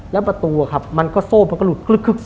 แล้วประตูโซ่ป็าก็หลุด